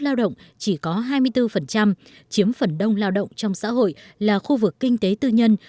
lao động chỉ có hai mươi bốn chiếm phần đông lao động trong xã hội là khu vực kinh tế tư nhân